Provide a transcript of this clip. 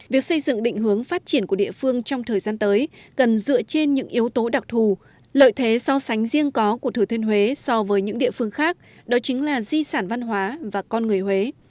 việc xây dựng định hướng phát triển của địa phương trong thời gian tới cần dựa trên những yếu tố đặc thù lợi thế so sánh riêng có của thừa thiên huế so với những địa phương khác đó chính là di sản văn hóa và con người huế